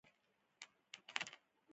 د موسساتو دروازې ته به یې کچکول نیولی و.